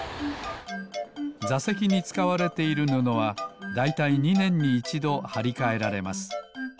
ざせきにつかわれているぬのはだいたい２ねんにいちどはりかえられます。